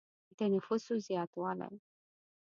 د نفوسو زیاتوالی.